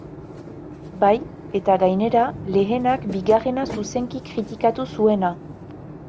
Bai, eta gainera, lehenak bigarrena zuzenki kritikatu zuena.